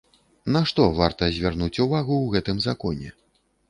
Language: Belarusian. На што варта звярнуць увагу ў гэтым законе?